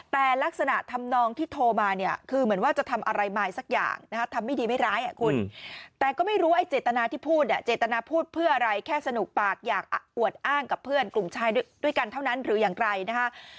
แต่ลักษณะทำนองที่โทรมาเนี่ยคือเหมือนว่าจะทำอะไรมายสักอย่างนะฮะทำไม่ดีไม่ร้ายอ่ะคุณแต่ก็ไม่รู้ไอ้เจตนาที่พูดเนี่ยเจตนาพูดเพื่ออะไรแค่สนุกปากอยากอวดอ้างกับเพื่อนกลุ่มชายด้วยกันเท่านั้นหรืออย่างไรนะคะ